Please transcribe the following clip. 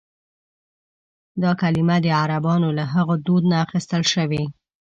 دا کلیمه د عربانو له هغه دود نه اخیستل شوې.